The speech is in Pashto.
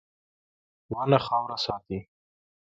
• ونه خاوره ساتي.